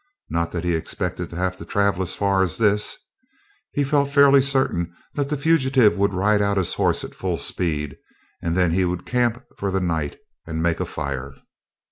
Not that he expected to have to travel as far as this. He felt fairly certain that the fugitive would ride out his horse at full speed, and then he would camp for the night and make a fire.